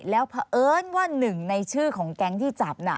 แล้วเพราะเอิญว่าหนึ่งในชื่อของแก๊งที่จับน่ะ